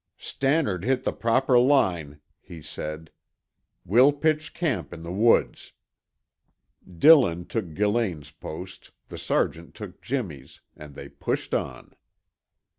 "Stannard hit the proper line," he said. "We'll pitch camp in the woods." Dillon took Gillane's post, the sergeant took Jimmy's, and they pushed on.